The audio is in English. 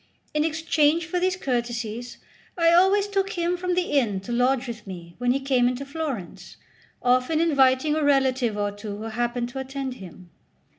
In exchange for these courtesies I always took him from the inn to lodge with me when he came into Florence, often inviting a relative or two who happened to attend him.